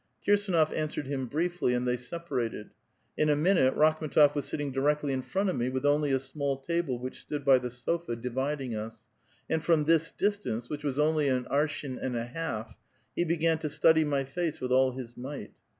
Kirsdnof answered him briefly, and they separated. In a minute Rakhm^tof was sitting directly in front of me, with only a small table which stood by the sofa dividing us, and from this distance, which was only an arshin and a half, he began to study my face with all his might.